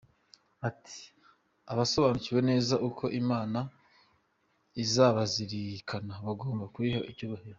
Ati "Abasobanukiwe neza uko Imana ibazirikana bagomba kuyiha icyubahiro.